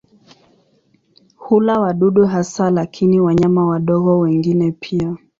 Hula wadudu hasa lakini wanyama wadogo wengine pia.